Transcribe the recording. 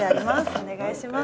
お願いします。